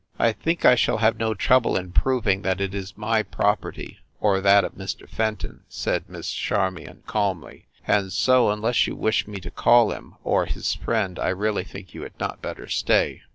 "I think I shall have no trouble in proving that it is my property or that of Mr. Fenton," said Miss Charmion calmly. "And so, unless you wish me to call him, or his friend, I really think you had not better stay."